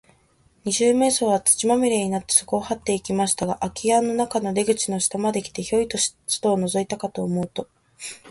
二十面相は、土まみれになって、そこをはっていきましたが、あき家の中の出口の下まで来て、ヒョイと外をのぞいたかと思うと、